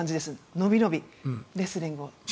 伸び伸び、レスリングを。